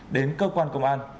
đến cơ quan công an